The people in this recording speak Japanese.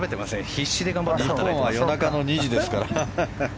日本は夜中の２時ですから。